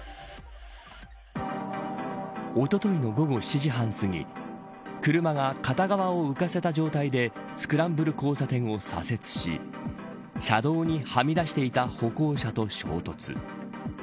おとといの午後７時半すぎ車の片側を浮かせた状態でスクランブル交差点を左折し車道にはみ出していた歩行者と衝突。